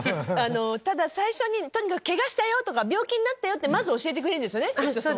最初にとにかくケガしたよとか病気になったよってまず教えてくれるんですよね。